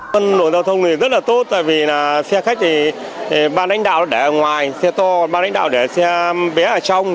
phân lộ giao thông này rất là tốt tại vì là xe khách thì ban đánh đạo để ở ngoài xe to ban đánh đạo để xe bé ở trong